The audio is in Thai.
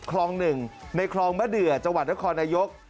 คลอง๑ในคลองมะเดือจังหวัดนครนายก